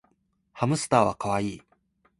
ハムスターはかわいい